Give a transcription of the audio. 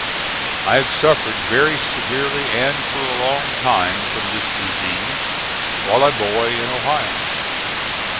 I had suffered very severely and for a long time from this disease, while a boy in Ohio.